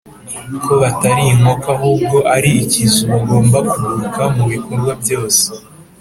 ko batari Inkoko ahubwo ari Ikizu, bagomba kuguruka mu bikorwa byose